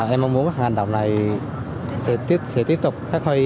em mong muốn hành động này sẽ tiếp tục phát huy